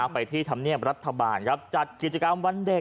ไปที่ธรรมเนียบรัฐบาลครับจัดกิจกรรมวันเด็ก